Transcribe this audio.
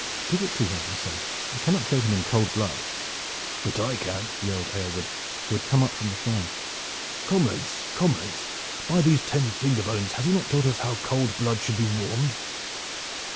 "Give it him, I say. I cannot kill him in cold blood." "But I can!" yelled Aylward, who had crept up from the fire. "Come, comrades! By these ten finger bones! has he not taught us how cold blood should be warmed?"